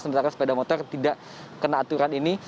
sementara sepeda motor tidak kena aturan ini